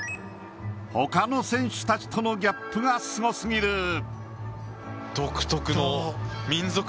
他の選手たちとのギャップがすごすぎる。